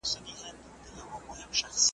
زه به دي پلو له مخي لیري کړم پخلا به سو `